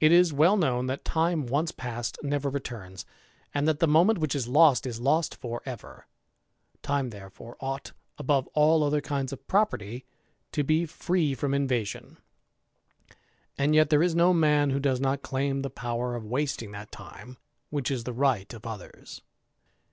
It is well known, that time once past never returns ; and hat the moment which is lost is lost for ever. Time there ore ought, above all other kinds of property, to be free rom invasion ; and yet there is no man who does not claim lie power of wasting that time which is the right of others.